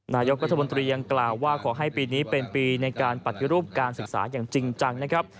นายกรัฐมนตรียังกล่าวว่าขอให้ปีนี้เป็นปีในการปฏิรูปการศึกษาอย่างจริงจังนะครับ